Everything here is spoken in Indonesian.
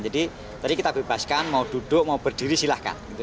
tadi kita bebaskan mau duduk mau berdiri silahkan